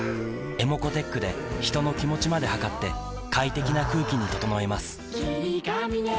ｅｍｏｃｏーｔｅｃｈで人の気持ちまで測って快適な空気に整えます